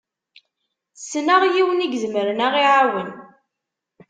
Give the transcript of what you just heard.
Ssneɣ yiwen i izemren ad ɣ-iɛawen.